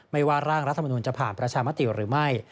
ไม่ว่าร่างรัฐมนุนจะผ่านประชามติหรือไม่